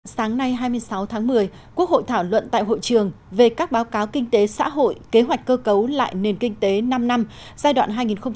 sáng nay hai mươi sáu tháng một mươi quốc hội thảo luận tại hội trường về các báo cáo kinh tế xã hội kế hoạch cơ cấu lại nền kinh tế năm năm giai đoạn hai nghìn hai mươi một hai nghìn hai mươi năm